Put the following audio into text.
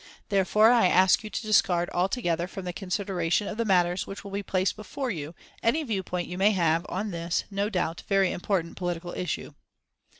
Therefore, I ask you to discard altogether from the consideration of the matters which will be placed before you any viewpoint you may have on this no doubt very important political issue."